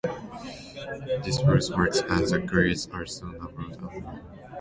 This ruse works and the crates are soon aboard the Wheel.